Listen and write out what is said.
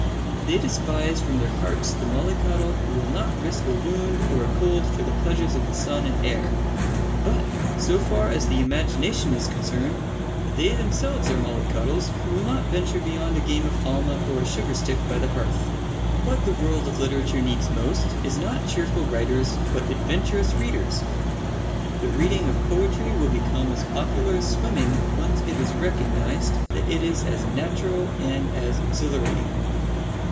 They despise from their hearts the mollycoddle who will not risk a wound or a cold for the pleasures of the sun and air. But, so far as the imagination is concerned, they themselves are mollycoddles who will not venture beyond a game of halma or a sugarstick by the hearth. What the world of literature needs most is not cheerful writers, but adventurous readers. The reading of poetry will become as popular as swimming when once it is recognised that it is as natural and as exhilarating.